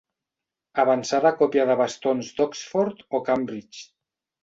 Avançada a còpia de bastons d'Oxford o Cambridge.